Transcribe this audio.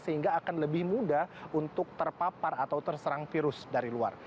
sehingga akan lebih mudah untuk terpapar atau terserang virus dari luar